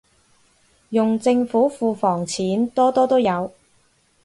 用政府庫房錢，多多都有